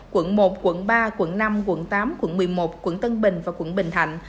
quận một quận ba quận năm quận tám quận một mươi một quận tân bình và quận bình thạnh